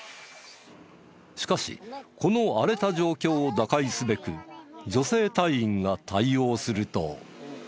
しかしこの荒れた状況を打開すべく女性隊員が対応すると。